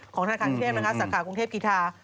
ของธนาคารกรุงเทพฯนะครับสาขากรุงเทพฯกีธา